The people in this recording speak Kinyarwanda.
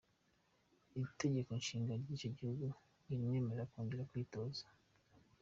Itegeko Nshinga ry’icyo gihugu ntirimwemerera kongera kwitoza.